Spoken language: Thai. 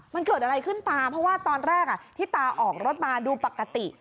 มันเกิดอะไรขึ้นตาเพราะว่าตอนแรกที่ตาออกรถมาดูปกติ